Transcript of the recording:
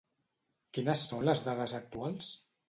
Quines són les dades actuals?